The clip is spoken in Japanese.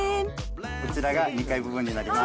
こちらが２階部分になります。